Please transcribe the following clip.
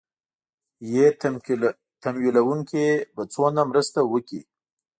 ې تمويلوونکي به څومره مرسته وکړي